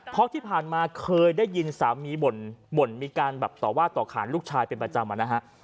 เพราะที่ผ่านมาเคยได้ยินสามีบ่นมีการแบบต่อว่าต่อขานลูกชายเป็นประจำนะฮะ